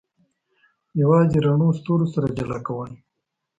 یوازې رڼو ستورو سره جلا کول.